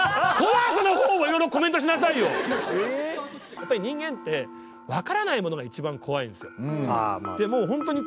やっぱり人間って分からないものが一番怖いんですよ。